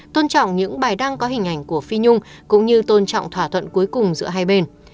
tôn trọng những bài đăng có hình ảnh của phi nhung cũng như tôn trọng thỏa thuận cuối cùng giữa hai bên